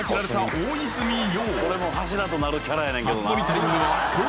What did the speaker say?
大泉洋